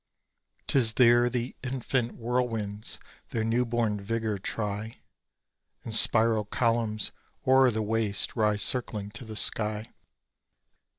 'Tis there the infant whirlwinds their new born vigour try; And spiral columns o'er the waste rise circling to the sky.